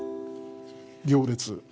行列。